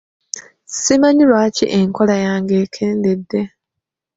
Simanyi lwaki enkola yange ekendedde.